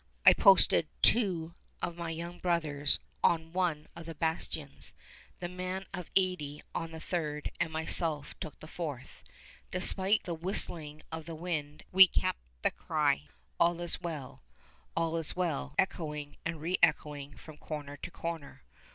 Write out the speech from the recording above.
I posted two of my young brothers on one of the bastions, the old man of eighty on the third, and myself took the fourth. Despite the whistling of the wind we kept the cry "All's well," "All's well" echoing and reëchoing from corner to corner.